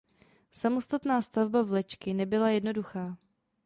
Samotná stavba vlečky nebyla jednoduchá.